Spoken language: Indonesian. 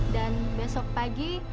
dan besok pagi